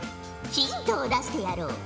ヒントを出してやろう。